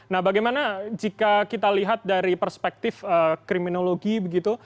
nah bagaimana jika kita lihat dari perspektif kriminologi begitu